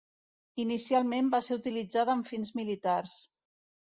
Inicialment va ser utilitzada amb fins militars.